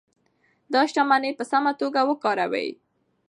دا شتمني په سمه توګه وکاروئ.